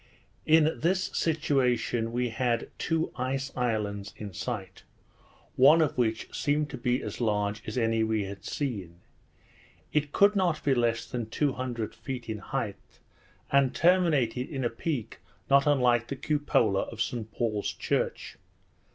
we were again becalmed. In this situation we had two ice islands in sight, one of which seemed to be as large as any we had seen. It could not be less than two hundred feet in height, and terminated in a peak not unlike the cupola of St Paul's church.